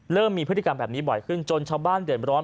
มีพฤติกรรมแบบนี้บ่อยขึ้นจนชาวบ้านเดือดร้อน